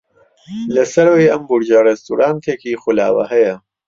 لە سەرەوەی ئەم بورجە ڕێستۆرانتێکی خولاوە هەیە.